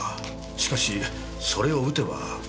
しかしそれを撃てば。